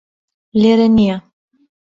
لێرە نییە